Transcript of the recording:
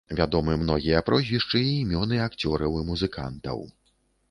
Вядомы многія прозвішчы і імёны акцёраў і музыкантаў.